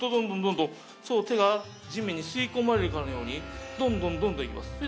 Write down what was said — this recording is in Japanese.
手が地面に吸い込まれるようにどんどんどんどん行きます。